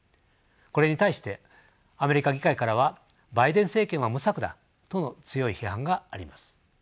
これに対してアメリカ議会からはバイデン政権は無策だとの強い批判があります。